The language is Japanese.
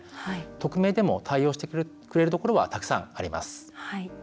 匿名でも対応してくれるところはたくさんあります。